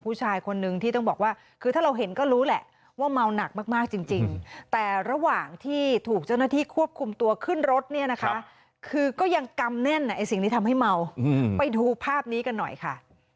ผู้ชายคนนึงที่ต้องบอกว่าคือถ้าเราเห็นก็รู้แหละว่าเมาหนักมากจริงแต่ระหว่างที่ถูกเจ้าหน้าที่ควบคุมตัวขึ้นรถเนี่ยนะคะคือก็ยังกำแน่นไอ้สิ่งที่ทำให้เมาไปดูภาพนี้กันหน่อยค่ะ